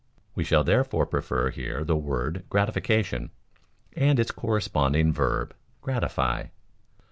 We shall therefore prefer here the word gratification, and its corresponding verb, gratify.